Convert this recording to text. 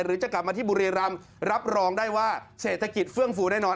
จะกลับมาที่บุรีรำรับรองได้ว่าเศรษฐกิจเฟื่องฟูแน่นอน